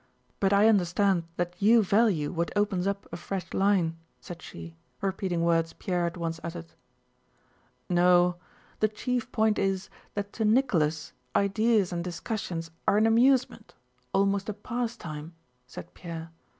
But I understand that you value what opens up a fresh line," said she, repeating words Pierre had once uttered. "No, the chief point is that to Nicholas ideas and discussions are an amusement—almost a pastime," said Pierre.